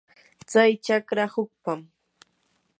tsay chakra hukpam.